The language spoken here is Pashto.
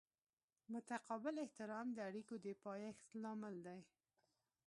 متقابل احترام د اړیکو د پایښت لامل دی.